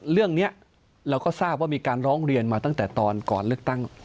เรื่องนี้เราก็ทราบว่ามีการร้องเรียนมาตั้งแต่ตอนก่อนเลือกตั้ง